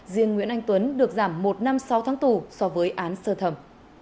riêng nguyễn anh tuấn được giảm một năm sáu tháng tù so với án sơ thẩm